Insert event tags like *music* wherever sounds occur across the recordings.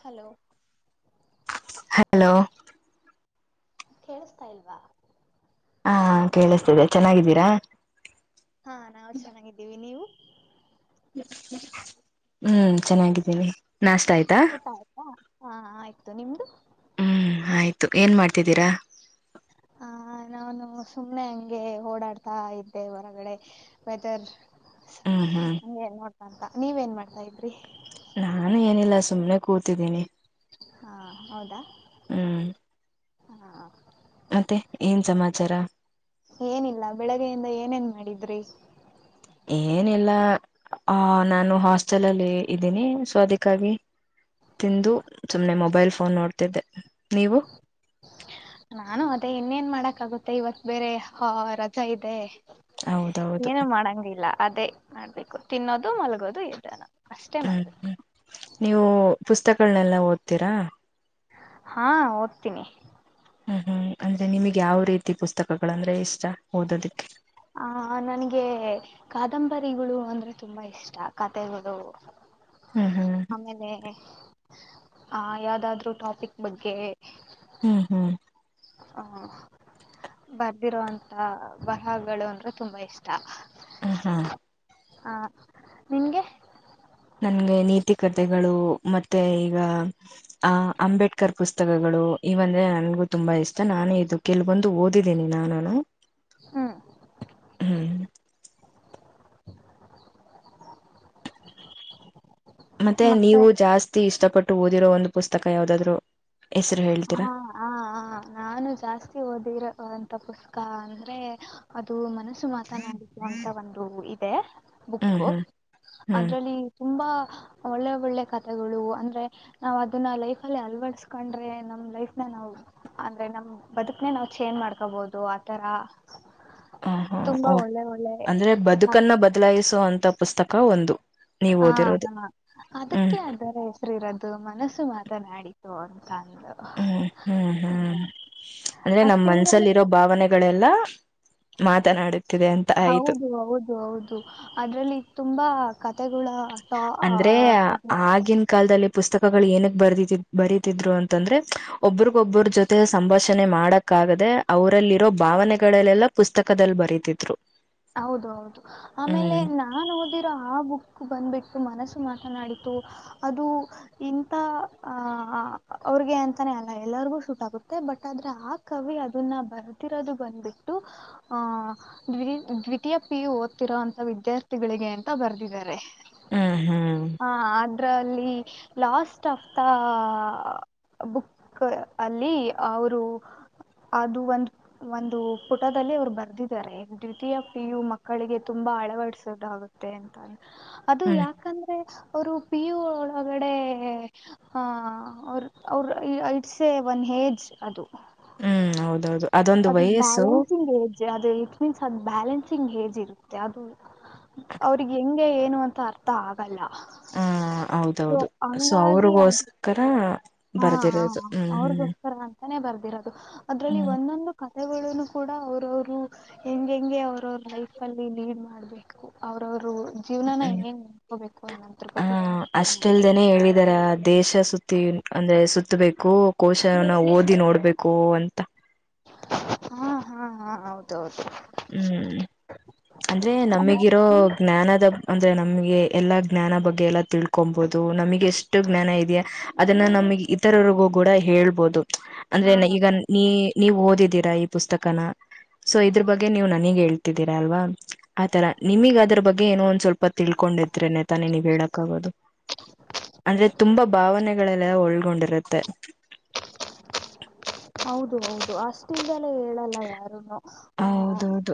hello hello ಕೇಳಿಸತಾ ಇಲ್ವಾ ಹಾ ಕೇಳಿಸ್ತಿದೆ ಚೆನ್ನಾಗಿದ್ದೀರಾ ಹಾ ನಾವು ಚೆನ್ನಾಗಿದ್ದೀವಿ ನೀವು ಹ್ಮ್ ಚೆನ್ನಾಗಿದ್ದೀನಿ ನಾಷ್ಟ ಆಯ್ತು ಊಟ ಆಯ್ತಾ ಹಾ ಆಯ್ತು ನಿಮ್ದ ಹ್ಮ್ ಆಯ್ತು ಏನ್ ಮಾಡ್ತಿದ್ದೀರಾ ಹ ನಾನು ಸುಮ್ನೆ ಹಂಗೆ ಓಡಾಡ್ತಾ ಇದ್ದೆ ಹೊರಗಡೆ ವೇದರ್ ಹಾಂ ಹಾಂ ನೀ ನೋಡ್ತಾ ಅಂತ ನೀವ್ ಏನ್ ಮಾಡ್ತಾ ಇದ್ರಿ ನಾನು ಏನಿಲ್ಲ ಸುಮ್ನೆ ಕೂತಿದ್ದೀನಿ ಹಾ ಹೌದಾ ಹ್ಮ್ ಹಾ ಮತ್ತೆ ಏನ್ ಸಮಾಚಾರ ಏನಿಲ್ಲ ಬೆಳಗ್ಗೆಯಿಂದ ಏನೇನ್ ಮಾಡಿದ್ರಿ ಏನಿಲ್ಲ ಆ ನಾನು ಹಾಸ್ಟೆಲಲ್ಲಿ ಇದ್ದೀನಿ ಸೊ ಅದಕ್ಕಾಗಿ ತಿಂದು ಸುಮ್ಮ್ನೆ ಮೊಬೈಲ್ ಫೋನ್ ನೋಡ್ತಿದ್ದೆ ನೀವು ನಾನು ಅದೇ ಇನ್ನೇನ್ ಮಾಡಕಾಗುತ್ತೆ ಇವತ್ ಬೇರೆ ಹಾ ರಜಾ ಇದೆ ಹೌದೌದು ಏನು ಮಾಡಂಗಿಲ್ಲ ಅದೇ ಮಾಡ್ಬೇಕು ತಿನ್ನೋದು ಮಲಗೋದು ಇದ್ದನ ಅಷ್ಟೇ ಮಾಡ ಹ್ಮ್್ಮ ನೀವು ಪುಸ್ತಕಗಳನೆಲ್ಲಾ ಓದ್ತೀರಾ ಹಾ ಓದ್ತೀನಿ ಹ ಹ್ಮ ಅಂದ್ರೆ ನಿಮಗೆ ಯಾವ ರೀತಿ ಪುಸ್ತಕಗಳಂದ್ರೆ ಇಷ್ಟ ಓದೋದಕ್ಕೆ ಆ ನನ್ಗೆ ಕಾದಂಬರಿಗಳು ಅಂದ್ರೆ ತುಂಬಾ ಇಷ್ಟ ಕತೆಗಳು ಹ್ಮ್ ಹ್ಮ್ ಆಮೇಲೆ ಆ ಯಾವ್ದಾದ್ರು ಟಾಪಿಕ್ ಬಗ್ಗೆ ಹ್ಮ್ ಹ್ಮ್ ಹಾ ಬರ್ದಿರುವೋಂತ ಬರಹಗಳು ಅಂದ್ರೆ ತುಂಬಾ ಇಷ್ಟ ಹ ಹಾ ಹಾ ನಿಂಗೆ ನನ್ಗೆ ನೀತಿ ಕತೆಗಳು ಮತ್ತೆ ಈಗ ಅ ಅಂಬೇಡ್ಕರ್ ಪುಸ್ತಕ ಪುಸ್ತಕಗಳು ಇವಂದ್ರೆ ನನ್ಗು ತುಂಬಾ ಇಷ್ಟ ನಾನೇ ಇದು ಕೆಲವೊಂದು ಓದಿದ್ದೀನಿ ನಾನುನು ಹ್ಮ್ ಹ್ಮ್ *unintelligible* ಮತ್ತೆ ನೀವು ಜಾಸ್ತಿ ಇಷ್ಟಪಟ್ಟು ಓದಿರೋ ಒಂದು ಪುಸ್ತಕ ಯಾವ್ದಾದ್ರು ಹೆಸರು ಹಾ ಹಾ ಹಾ *inaudible* ನಾನು ಜಾಸ್ತಿ ಓದಿರೊ ಅಂತ ಪುಸ್ತಕಾ ಅಂದ್ರೆ ಅದು ಮನಸ್ಸು ಮಾತನಾಡಿಸುವಂತ ಒಂದು ಇದೆ ಹ್ಮ್ ಬುಕ್ಕು ಹ್ಮ್ ಹ್ಮ್ ಅದ್ರಲ್ಲಿ ತುಂಬಾ ಒಳ್ಳೆ ಒಳ್ಳೆ ಕಥೆಗಳು ಅಂದ್ರೆ ನಾವ್ ಅದನ್ನ ಲೈಫ್ ಅಲ್ಲಿ ಅಳವಡ ಕಂಡ್ರೆ ನಮ್ ಲೈಫ್ ನ ನಾವು ಅಂದ್ರೆ ನಮ ಬದುಕ್ನೆೇ ನಾ್ ಚೇನ್್ ಮಾಡ್ಕೊಬೋದು ಆತರ ಹ ಹಾ ತುಂಬಾ ಓ ಒಳ್ಳೆ ಒಳ್ಳೆ ಅಂದ್ರೆ ಹಾ ಬದುಕನ್ನ ಬದಲಾಯಿಸುವಂತ ಪುಸ್ತಕ ಒಂದು ನೀವ್ ಹಾ ಓದಿರೋದು ಹಾ ಹ್ಮ್ ಅದಕ್ಕೆ ಅರೆ ರದು ಮನಸ್ಸು ಮಾತನಾಡಿತು ಅಂತ ಅಂದು ಹ್ಮ್ ಹ್ಮ್ ಹ್ಮ್ ಅದೆ ನಮ ಅಷ್ಟಿಲ್ದಲೆ ಮನ್ಸಲ್ಲಿರೋ ಭಾವನೆಗಳೆಲ್ಲಾ ಮಾತನಾಡುತ್ತಿದೆ ಅಂತ ಆಯ್ತು ಹೌದು ಹೌದು ಅದ್ರಲ್ಲಿ ತುಂಬಾ ಕತೆಗುಳ ಅಂದ್ರೆ ಆಗಿನ ಕಾಲದಲ್ಲಿ ಪುಸ್ತಕಗಳು ಏನಕ್ಕೆ ಬರ್ದಿದು ಬರೀತಿದ್ರು ಅಂತಂದ್ರೆ ಒಬ್ಬ್ರಗೊಬ್ರ ಜೊತೆ ಸಂಭಾಷಣೆ ಮಾಡಕ್ ಕ್ಕಾಗದೆ ಅವರಲ್ಲಿರೋ ಭಾವನೆಗಳಲ್ಲೆಲ್ಲಾ ಪುಸ್ತಕದಲ್ಲಿ ಬರತಿದ್ರು ಹೌದು ಹೌದು ಆಮೇಲೆ ನಾ ನಾನು ಓದಿರೋ ಆ ಬುಕ್ ಬಂದ್ಬಿಟ್ಟು ಮನಸ್ಸು ಮಾತನಾಡಿತು ಅದು ಇಂತ ಆ ಅವ್ರಿಗೆ ಅಂತಾನೆ ಅಲ್ಲ ಎಲ್ಲರಿಗೂ ಶೂಟ್ ಆಗುತ್ತೆ ಬಟ್ ಆದ್ರೆ ಆ ಕವಿ ಅದನ್ನ ಬರ್ತಿರೋದು ಬಂದ್ಬಿಟ್ಟು ಆಹ್ ದ್ ದ್ವಿತೀಯ ಪಿ ಯು ಓದ್ತಿರೋಂತ ವಿದ್ಯಾರ್ಥಿಗಳಿಗೆ ಅಂತ ಬರ್ದಿದ್ದಾರೆ ಹ್ಮ್ ಹ್ಮ್ ಹಾ ಅ ಲ್ಲಿ ಲಾಸ್ಟ್ ಆಫ್ ದ ಬುಕ್ ಅಲ್ಲಿ ಅವರು ಅದು ಒಂದು ಒಂದು ಪುಟದಲ್ಲಿ ಅವ್ರು ಬರ್ದಿದ್ದಾರೆ ಪಿಯು ಮಕ್ಕಳಿಗೆ ತುಂಬಾ ಅಳವಡಿಸುದಾಗುತ್ತೆ ಅಂತ ಅದು ಹ್ಮ್ ಯಾಕೆ ಯಾಕಂದ್ರೆ ಅವರು ಪಿಯು ಒಳಗಡೆ ಹ ಅವ್ರ ಅವ್ರ ಐಡ್ಸೆ ಒನ್ ಹೇಜ್ ಅದು ಹ್ಮ್ ಹೌದೌದು ಅದೊಂದು ಅದು ವಯಸ್ಸು ಬ್ಯಾಲೆನ್ಸಿಂಗ್ ಏಜ್ ಅದು ಇಟ್ ಮೀನ್ಸ್ ಅದು ಬ್ಯಾಲೆನ್ಸಿಂಗ್ ಏಜ್ ಇರುತ್ತೆ ಅದು ಅವ್ರಿಗೆ ಹೆಂಗೆ ಏನು ಅಂತ ಅರ್ಥ ಆಗಲ್ಲ ಹ ಸೊ ಹೌದೌದು ಸೊ ಹಂಗಾಗಿ ಅದು ಅವ್ರಗೋಸ್ಕರ ಹಾ ಹ ಅವ್ರಗೋಸ್ಕರ ಅಂತಾನೇ ಬರ್ದಿರೋದು ಅದ್ರಲ್ಲಿ ಹ್ಮ್ ಒಂದೊಂದು ಕಥಗಳನ್ನು ಕೂಡ ಅವ್ರವರು ಹೆಂ ಹೆಂಗೆ ಅವ್ರವ ಲೈಫ್ ಅಲ್ಲಿ ಲೀಡ್ ಮಾಡ್ಬೇಕು ಅವ್ರವರು ಜೀವನ ಹ್ಮ್ ಹೆಂಂಗಗೆಂಗ ನೋಡ್ಕೋಬೇಕು ಅನ್ನೋದ್ರು ಆ ಬಗ್ಗೆ ತಿಂಕ್ ಅಷ್ಟಲ್ದೇನೆ ಮಾಡಬೇಕು ಹೇಳಿದಾರ ದೇಶ ಸುತ್ತಿ ಅಂದ್ರೆ ಸುತ್ತಬೇಕು ಕೋಶನ ಓದಿ ನೋಡ್ಬೇಕು ಅಂತ ಹಾ ಹಾ ಹಾ ಹೌದು ಹೌದು ಹ್ಮ್ ಅಂದ್ರೆ ನಮಗಿರೋ ಜ್ಞಾನದ ಅಂದ್ರೆ ನಮಗೆ ಎಲ್ಲಾ ಜ್ಞಾನ ಬಗ್ಗೆ ಎಲ್ಲ ತಿಳ್ಕೊಂಬಹುದು ನಮಗೆ ಎಷ್ಟು ಜ್ಞಾನ ಇದೆಯ ಅದನ್ನ ನಮಗ್ ಇತರರಿಗೂ ಕೂಡ ಹೇಳ್ಬೋದು ಅಂದ್ರೆ ಹಾ ಈಗ ನೀ ನೀವು ಓದಿದೀರಾ ಈ ಪುಸ್ತಕನ ಸೊ ಇದ್ರ ಬಗ್ಗೆ ಗ ಹೇಳ್ತಿದ್ದೀರಾ ಅಲ್ವಾ ಆತರ ನಿಮಗ ಅದ್ರ ಬಗ್ಗೆ ಏನೋ ಒಂದ್ ಸ್ವಲ್ಪ ತಿಳ್ಕೊಂಡಿದ್ರೆನೆ ತಾನೆ ನೀವು ಹೇಳಕ್ಾಗೋದು ಅಂದ್ರೆ ತುಂಬಾ ಭಾವ *unintelligible* ಮನೆಗಳೆ ಒಳ್ಗೊಂಡಿರುತ್ತೆ ಹೌದು ಹೌದು ಅಷ್ಟಿಂದಲೇ ಹೇಳಲ್ಲ ಯಾರು *unintelligible* ಹ ಹೌದೌದು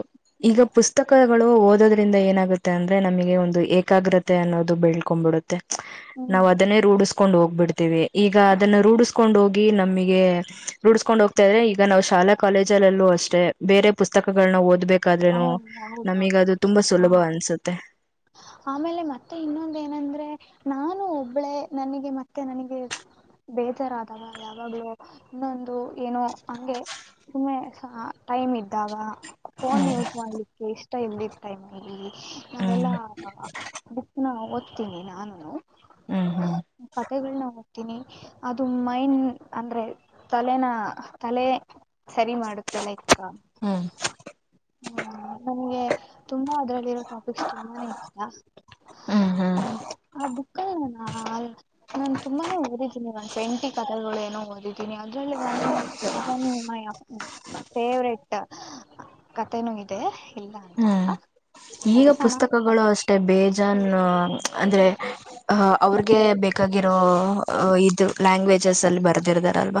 ಈಗ ಪುಸ್ತಕಗಳು ಓದೋದ್ರಿಂದ ಏನಾಗುತ್ತೆ ಅಂದ್ರೆ ನಮಗೆ ಒಂದು ಏಕಾಗ್ರತೆ ಅನ್ನೋದು ಬೆಳ್ಕೊ್ಬಿಡುತ್ತೆ ನಾವ್ ಹ್ಮ್ ಅದನ್ನೇ ರೂಢಿಸ್ಕೊಂಡ್ ಹೋಗ್ಬಿಡ್ತೇವಿ ಈಗ ಅದನ್ನ ರೂಢಿಸ್ಕೊಂಡ್ ಹೋಗಿ ನಮಗೆ ರೂಡ್ಸ್ಕೊಂಡ್ ಹೋಗ್ತಾ ಇದ್ರೆ ಈಗ ನಾವು ಶಾಲಾ ಕಾಲೇಜಲ್ಲಲ್ಲೂ ಅಷ್ಟೇ ಬೇರೆ ಪುಸ್ತಕಗಳನ್ನ ಓದ್ಬೇಕು ಹ ಯಾದ್ರೂನು ನಮೀಗ ಹೌದೌದು ಅದು ತುಂಬಾ ಸುಲಭ ಹಾ ಅನ್ಸುತ್ತೆ ಆಮೇಲೆ ಮತ್ತೆ ಇನ್ನೊಂದ ಏನಂದ್ರೆ ನಾನು ಒಬ್ಬಳೆ ನನಗೆ ಮತ್ತೆ ನನಗೆ ಬೇಜಾರ ಅದವ ಯಾವಾಗ್ಲೂ ಇನ್ನೊಂದು ಏನೋ ಹಂಗೆ ಸುಮ್ಮೆ ಟೈಮ್ ಇದ್ದಾವ ಫೋನ್ ಯೂಸ್ ಮಾಡ್ಲಿಕ್ಕೆ ಇಷ್ಟ ಇಲ್ದ ಟೈಮ್ಲ್ಲಿ ನಾವೆಲ್ಲಾ ಹ್ಮ್ ನಾ ಓದ್ತೀನಿ ನಾನು ಹ್ಮ್ ಹ್ಮ್ ಕತೆೆಗಳನ್ನ ಓದ್ತೀನಿ ಅದು ಮೈಂಡ್ ಅಂದ್ರೆ ತಲೆನ ತಲೆ ಸರಿ ಮಾಡುತ್ತಲ್ಲ ಇಕ್ಕಾ ಹ್ಮ್ ಹ್ಮ ನನಗೆ ತುಂಬಾ ಅದ್ರಲ್ಲಿರೋ ಟಾಪಿಕ್ಸ್ ತುಂಬಾನೇ ಇಷ್ಟಾ ಹ್ಮ್ ಹ್ಮ್ ಆ ಬುಕ್ *unintelligible* ನಾನ್ ತುಂಬಾನೇ ಓದಿದ್ದೀನಿ ಒಂದನ್ ಟ್ವೆಂಟಿ ಕಥಗಳು ಏನೋ ಓದಿದ್ದೀನಿ ಒ ಮೈ *unintelligible* ಕತೆೆನೂ ಇದೆ ಇಲ್ಲ ಅಂತ ಅಲ್ಲ ಹ್ಮ್ ಚನ್ನಾಗಿದೆ ಮೆ ಬೇಜಾನ್ ಅಂದ್ರೆ ಅವ್ರಗೆ ಬೇಕಾಗಿರೋ ಇದು ಲ್ಯಾಂಗ್ವೇಜಸ್ ಅಲ್ಲಿ ಬರೆದಿರ್ದಾರಲ್ಲ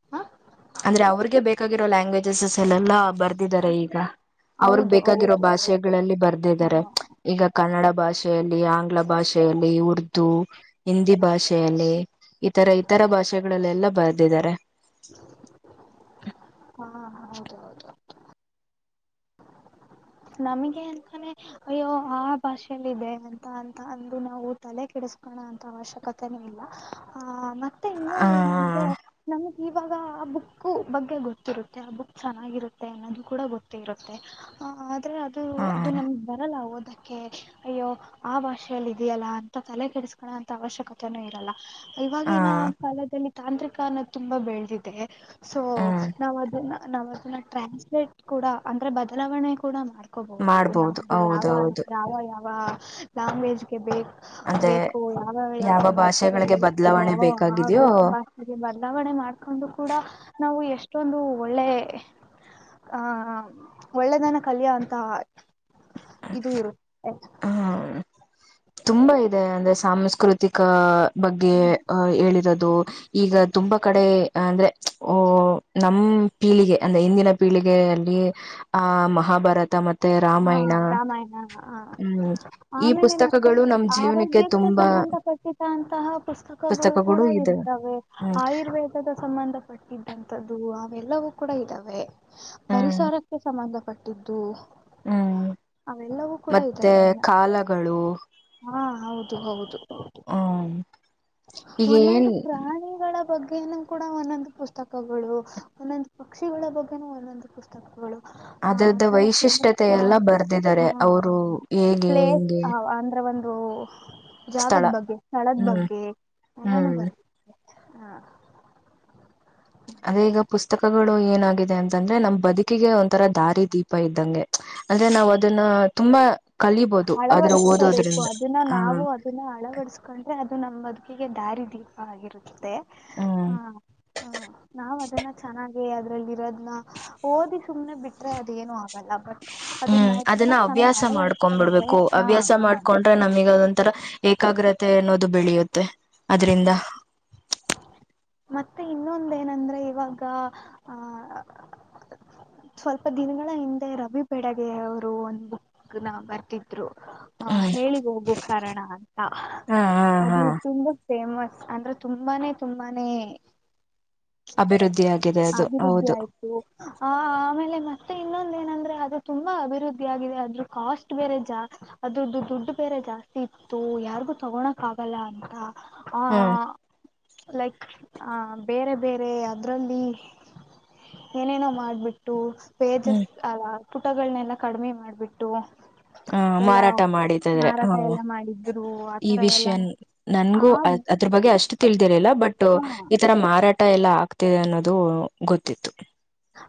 ಹ ಅಂದ್ರೆ ಅವ್ರಗೆ ಬೇಕಾಗಿರೋ ಲ್ಯಾಂಗ್ವೇಜಸಸ್ ಎಲ್ಲಲ್ಲಾ ಬರ್ದಿದ್ದಾರೆ ಈಗ ಅವ್ರಗ್ ಹೌದು ಬೇಕಾಗಿರೋ ಹೌದು ಹೌದು ಭಾಷೆಗಳಲ್ಲಿ ಹಾ ಬರ್ದಿದ್ದಾರೆ ಈಗ ಕನ್ನಡ ಭಾಷೆಯಲ್ಲಿ ಆಂಗ್ಲ ಭಾಷೆಯಲ್ಲಿ ಉರ್ದು ಹಿಂದಿ ಭಾಷೆಯಲ್ಲಿ ಇತರ ಇತರ ಭಾಷೆಲ್ಲೆಲ್ಲ ಬರೆದಿದ್ದಾರೆ ಹೌ ಹಾ ಹೌದ ಹೌದು ನಾಮಿಗೆ ಅಂತಾನೆ ಅಯ್ಯೋ ಆ ಭಾಷೆಯಲ್ಲ ಇದೆ ಅಂತ ಅಂತ ಅಂದು ನಾವು ತಲೆ ಕೆಡಿಸಕೋಣ ಅಂತ ಅವಶ್ಯಕತೆನ ಇಲ್ಲ ಹ ಮತ್ತೆ ಹ *unintelligible* ನಮ್ಗೆ ಇವಾಗ ಆ ಬುಕ್ ಬಗ್ಗೆ ಗೊತ್ತಿರುತ್ತೆ ಆ ಬುಕ್ ಚೆನ್ನಾಗಿರುತ್ತೆ ಅನ್ನೋದು ಕೂಡ ಗೊತ್ತೇ ಇರುತ್ತೆ ಹ ಆದ್ರೆ ಅದು ಹ ಅದು ನಮ್ ಬರಲ್ಲ ಹೋದ ಅಯ್ಯೋ ಆ ಭಾಷೆಯಲ್ಲಿ ಇದೆಯಲ್ಲ ಅಂತ ತಲೆ ಕೆಡಿಸಕೋ ಅಂತ ಅವಶ್ಯಕತೆನೂ ಇರಲ್ಲ ಹ ಹ ಇವಾಗಿನ ಕಾಲದಲ್ಲಿ ತಾಂತ್ರಿಕ ಅನ್ನೋ ತುಂಬಾ ಬೆಳೆದಿದೆ ಸೊ ಹ್ಮ್ ನಾವ್ ಅದನ್ನ ನಾವ ಅದನ್ನ ಟ್ರಾನ್ಸ್ಲೇಟ್ ಕೂಡ ಅಂದ್ರೆ ಬದಲಾವಣೆ ಕೂಡ ಮಾಡ್ವಿ ಹಕೋಬಹುದು ಮಾಡ್ಬೋದು ನಮಗೆ ಯಾವ ಹೌದೌದು ಯಾವ ಯಾವ ಲ್ಯಾಂಗ್ವೇಜ್ಗೆ ಬೇಕ ಅಂದ್ರೆ ಬೇಕು ಯಾವ ಯಾವ ಬಾಷೆಗೆ ಭಾಷೆಗಳಿಗೆ ಬೇಕು ಬದಲಾವಣೆ ಬೇಕಾಗಿದೆಯೋ ಹಾಗೆ ಬದಲಾವಣೆ ಮಾಡ್ಕೊಂಡು ಕೂಡ ನಾವು ಎಷ್ಟೊಂದು ಒಳ್ಳೆ ಆ ಒಳ್ಳೆದನ ಕಲ್ಯೋ ಅಂತ ಇದು ಇರುತ್ತೆ ಹ ತುಂಬಾ ಇದೆ ಅಂದ್ರೆ ಸಾಂಸ್ಕೃತಿಕ ಬಗ್ಗೆ ಹೇಳಿರೋದು ಈಗ ತುಂಬಾ ಕಡೆ ಅಂದ್ರೆ ಓ ನಮ ಪೀಳಿಗೆ ಅಂದ್ರೆ ಹಿಂದಿನ ಪೀಳಿಗೆಯಲ್ಲಿ ಆ ಮಹಾಭಾರತ ಮತ್ತೆ ರಾಮಾಯಣ ಹ ಹ್ಮ್ ಈ ಆಮೇಲೆ ಮತ್ತೆ ಪುಸ್ತಕಗಳು ನಮ್ ಜೀವನಕ್ಕೆ ಆರೋಗ್ಯಕ್ಕೆ ತುಂಬಾ ಸಂಬಂಧಪಟ್ಟ ಅಂತಹ ಪುಸ್ತಕಗಳು ಕೂಡ ಇರ್ತವೆ ಹ್ಮ್ ಆಯುರ್ವೇದ ಸಂಬಂಧಪಟ್ಟಿದ್ದಂಥದ್ದು ಅವೆಲ್ಲವೂ ಕೂಡ ಇದ್ದಾವೆ ಹ್ಮ್ ಪರಿಸರ ಕ್ಕೆ ಸಂಬಂಧಪಟ್ಟಿದ್ದು ಹ್ಮ್ ಅವೆಲ್ಲವೂ ಕೂಡ ಮತ್ತೆ ಇದ್ದಾವೆಲ್ಲ ಕಾಲಗಳು ಹಾ ಹೌದು ಹೌದು ಹ್ಮ್ ಈಗ ಒಂದೊಂದು ಏನ್ ಪ್ರಾಣಿಗಳ ಬಗ್ಗೆನು ಕೂಡ ಒಂದೊಂದು ಪುಸ್ತಕಗಳು ಒಂದೊಂದು ಪಕ್ಷಿಗಳ ಬಗ್ಗೆನ ಒಂದೊಂದು ಪುಸ್ತಕಗಳು ಹ ಅದ್ರದ್ದ ಆರು ವೈಶಿಷ್ಟ್ಯತೆ ಹ ಎಲ್ಲ ಬರ್ದಿದ್ದಾರೆ ಅವರು ಹ ಹೇಗೆ ಪ್ಲೇಸ್ ಹೆಂಗೆ ಅಂದ್ರ ಒಂದು ಸ್ಥಳ ಜಾಗದ ಬಗ್ಗೆ ಸ್ಥಳದ ಹ್ಮ್ ಬಗ್ಗೆ ಎಲ್ಲಾನು ಹ್ಮ್ ಬರುತ್ತೆ ಹಾ ಅದೇ ಈಗ ಪುಸ್ತಕಗಳು ಏನಾಗಿದೆ ಅಂತಂದ್ರೆ ನಮ್ ಬದುಕಿಗೆ ಒಂಥರ ದಾರಿ ದೀಪ ಇದ್ದಂಗೆ ಅಂದ್ರೆ ನಾವ್ ಅದನ್ನ ತುಂಬಾ ಕಲಿಬೋದು ಅದ್ರ ಓದೋದ್ರಿಂದ ಆಹ ಇದನ್ನ ಅಳವಡಿಸಕೊಂಡ್ರೆ ಅದು ನಮ್ಮ ಬದುಕಿಗೆ ದಾರಿದೀಪ ಆಗಿರುತ್ತದೆ ಹ್ಮ್ ಹಾ ಹ ನಾವ್ ಅದೆಲ್ಲ ಚೆನ್ನಾಗ ಅದ್ರಲ್ಲಿ ಇರೋದ್ ಓದಿ ಸುಮ್ನೆ ಬಿಟ್ರೆ ಅದೇನು ಆಗ್ತ ಬಟ್ ಅದನ್ನ ನಾವು ತುಂಬಾ ಚೆನ್ನಾಗಿ ಆಳವಾಡವಿ ಕೊಂಡ್ಬ ಬಿಡ್ಬೇಕು ಹವ್ಯಾಸ ಮಾಡ್ಕೊಂಡು ನಮಗ ಅದೊಂಥರ ಏಕಾಗ್ರತೆ ಅನ್ನೋದು ಬೆಳೆಯುತ್ತೆ ಅದ್ರಿಂದ ಆ ಮತ್ತೆ ಇನ್ನೊಂದ ನಂದ್ರೆ ಇವಾಗ ಆಹ ಸ್ವಲ್ಪ ದಿನಗಳ ಹಿಂದೆ ರವಿ ಬೆಡಗೆ ಅವರು ಒಂದ್ ಬುಕ್ ನ ಬರ್ತಿದ್ವಿ ಆ ಹ್ಮ್ ಹೇಳಿ ಹೋಗು ಕಾರಣ ಅಂತ ಹಾ ಹಾ ಹಾ ಅದು ತುಂಬಾ ಫೇಮಸ್ ಅಂದ್ರೆ ತುಂಬಾನೇ ತುಂಬಾನೇ ಅಭಿವೃದ್ಧಿ ಆಗಿದೆ ಅದು ಅಭಿವೃದ್ಧಿ ಹೌದು ಆಯ್ತು ಆ ಆಮೇಲೆ ಮತ್ತೆ ಇನ್ನೊಂದ ಏನಂದ್ರೆ ಅದು ತುಂಬಾ ಅಭಿವೃದ್ಧಿ ಆಗಿದೆ ಅದ್ರ ಕಾಸ್ಟ್ ಬೇರೆ ಜಾಸ್ತಿ ಅದ್ರದ್ದು ದುಡ್ಡು ಬೇರೆ ಜಾಸ್ತಿ ಇತ್ತು ಯಾರಿಗೂ ತಗೋಳಕ್ ಆಗಲ್ಲ ಅಂತ ಆ ಹ್ಮ್ ಲಕ್ ಬೇರೆ ಬೇರೆ ಅದರಲ್ಲಿ ಏನೇನೋ ಮಾಡಿಬಿಟ್ಟು ಹ್ಮ್ ಪೇಜಸ್ ಅ ಪುಟಗಳನೆೆಲ್ಲ ಕಡಿಮೆ ಮಾಡ್ಬಿಟ್ಟು ಹಾ ಎಲ್ಲ ಮಾರಾಟ ಮಾಡಿದಾದ್ರೆ ಮಾರಾಟ ಹಾ ಎಲ್ಲ ಮಾಡಿದ್ರು ಈ ಆತರ ಎಲ್ಲ ವಿಷಯನ್ ಆ ನನ್ಗೂ ಅ ಅದ್ರ ಬಗ್ಗೆ ಅಷ್ಟು ತಿಳಿದಿರಿಲ್ಲ ಬಟ್ ಹ ಈ ತರ ಮಾರಾಟ ಎಲ್ಲ ಆಗ್ತಿದೆ ಅನ್ನೋದು ಗೊತ್ತಿತ್ತು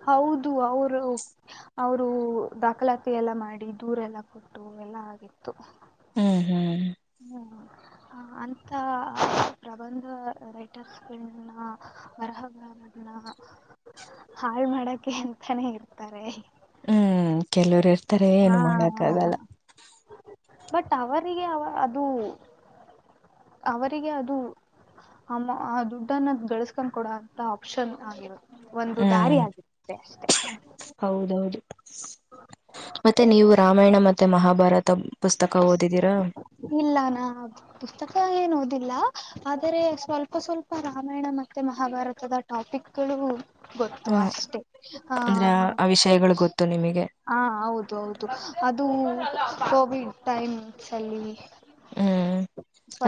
ಹೌದು ಅವರು ಅವರು ದಾಖಲಾತಿ ಎಲ್ಲಾ ಮಾಡಿ ದೂರೆಲ್ಲ ಕೊಡ್ ಹ ಎಲ್ಲ ಆಗಿತ್ತು ಹ್ಮ ಹ್ಮ ಹ್ಮ ಅಂತ ಪ್ರಬಂಧ ರೈಟರ್ಸ್ಗಳನ್ನ ವರಹ ಗ್ರಾಮಲ್ಲ *inaudible* ಹಾಳ್ ಮಾಡಕೆ ಅಂತಾನೇ ಇರ್ತಾರೆ ಹ್ಮ್ ಕೆಲವರು ಇರ್ತಾರೆ ಹಾ ಏನು ಹಾ ಮಾಡಕ್ಕ ಆಗಲ್ಲ ಹಾ ಬಟ್ ಅವರಿಗೆ ಅವ ಅದು ಅವರಿಗೆ ಅದು ಅ ಆ ದುಡ್ಡನ್ನ ಗಳಿಸಸ್ಕೊಂಡ್ ಕೊಡ ಅಂತ ಆಪ್ಷನ್ ಆಗ ಒಂದು ದಾರಿ ಹ್ಮ್ ಆಗಿದೆ ಅಷ್ಟೇ ಹೌದೌದು ಮತ್ತೆ ನೀವು ರಾಮಾಯಣ ಮ ಮತ್ತೆ ಮಹಾಭಾರತ ಪುಸ್ತಕ ಓದಿದೀರಾ ಇಲ್ಲ ನಾ ಪುಸ್ತಕ ಏನು ಓದಿಲ್ಲ ಆದರೆ ಸ್ವಲ್ಪ ಸ್ವಲ್ಪ ರಾಮಾಯಣ ಮತ್ತೆ ಮಹಾಭಾರತದ ಟಾಪಿಕ್ಗಳು ಗೊತ್ತು ಅಷ್ಟೆ ಹ ಐಹೊಳಿ ಗೊತ್ತಾ ನಿಮಗೆ ಹಾ ಹೌದು ಹೌದು ಅದು ಕೋವಿಡ್ ಟೈಮ್ಸ್ ಅಲ್ಲಿ ಹ್ಮ್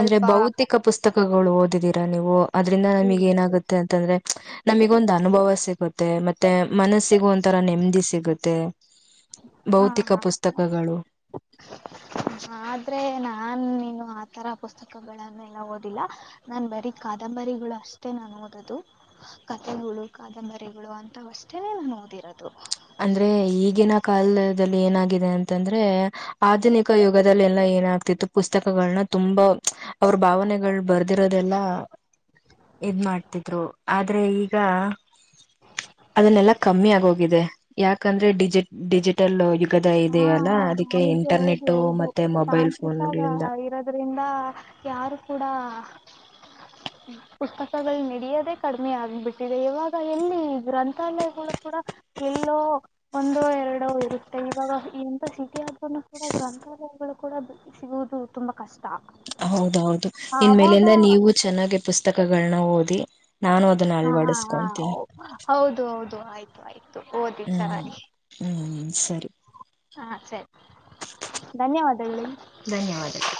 ಅಂದ್ರೆ ಬಹುತೇಕ ಪುಸ್ತಕಗಳು ಓದಿದಿರ ನೀವು ನಿಮ್ಮ ಇತ್ತು ಏನಾಗುತ್ತೆ ಅಂತ ನನಗೊಂದು ಅರ್ಥ ಆಗುತ್ತೆ ಅನುಭವ ಸಿಗುತ್ತೆ ಮತ್ತೆ ಮನಸ್ಸಿಗ ಒಂಥರ ನೆಮ್ಮದಿ ಸಿಗುತ್ತೆ ಹಾ ಭೌತಿಕ ಹಾ ಪುಸ್ತಕಗಳು ಆದ್ರೆ ನಾನು ನೀನು ಆತರ ಪುಸ್ತಕಗಳನ್ನೆಲ್ಲ ಓದಿಲ್ಲ ನಾನ್ ಬರೀ ಕಾದಂಬರಿಗಳಷ್ಟು ಓದೋದು ಕಥೆಗಳು ಕಾದಂಬರಿಗಳು ಅಂತವಷ್ಟೇನೆೇ ನಾನು ಓದಿರೋದು ಅಂದ್ರೆ ಈಗಿನ ಕಾಲದಲ್ಲಿ ಏನಾಗಿದೆ ಅಂತಂದ್ರೆ ಆಧುನಿಕ ಯುಗಲ್ಲೆಲ್ಲಾ ಏನಾಗ್ತಿತ್ತು ಪುಸ್ತಕಗಳನ್ನ ತುಂಬಾ ಅವ್ರ ಭಾವನೆಗಳು ಬರ್ ಇದಿರೋದೆಲ್ಲ ಇದ್ ಮಾಡ್ತಿದ್ರು ಆದ್ರೆ ಈಗ ಬೇಗ ಕಮ್ಮಿ ಆಗೋಗಿದೆ ಯಾಕಂದ್ರೆ ಡಿಜಿಟಲ್ ಡಿಜಿಟಲ್ ಯುಗದ ಹಾ ಇದೆಯಲ್ಲ ಹಾ ಅದಕ್ಕೆ ಹೌದು ಹೌದು ಇಂಟರ್ನೆಟ್ ಮತ್ತೆ ಮೊಬೈಲ್ ಫೋನ್ಗಳಿಂದ ಅದರಿಂದ ಯಾರೂ ಕೂಡ ಉುತ್ಪಸಗಳು ನಡಿಯದೆೇ ಕಡಿಮೆ ಆಗ್ಬಿಟ್ಟಿದೆ ಇವಾಗ ಎಲ್ಲಿ ಗ್ರಂಥಾಲಯಗಳು ಕೂಡ ಎಲ್ಲೋ ಒಂದೋ ಎರಡೋ ಇರುತ್ತೆ ಇವಾಗ ಎಥ ಸಿಟಿ ಆದನು ಕೂಡ ಗ್ರಂಥಾಲಯಗಳು ಕೂಡ ಸಿಗುವುದು ತುಂಬಾ ಕಷ್ಟ ಹೌದೌದು ನಿನ್ ಆವಾಗ ಮೇಲಿಂದ ನೀವು ಚೆನ್ನಾಗಿ ಪುಸ್ತಕಗಳನ್ನ ಓದಿ ನಾನು ಅದನ್ನ ಹಾ ಹಾ ಅಳ್ವಡಿಸಕೊಂತೀನಿ ಹೌದು ಹೌದು ಆಯ್ತು ಆಯ್ತು ಓದಿ ಹ್ಮ್ ಚನ್ನಾಗಿ ಹ್ಮ್ ಸರಿ ಹಾ ಸರಿ ಧನ್ಯವಾದದಲ್ಲಿ ಧನ್ಯವಾದಗಳು